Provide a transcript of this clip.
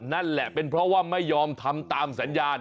นั่นแหละเป็นเพราะว่าไม่ยอมทำตามสัญญาณ